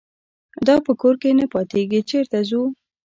دا په کور کې نه پاتېږي چېرته ځو.